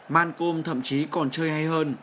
man công thậm chí còn chơi hay hơn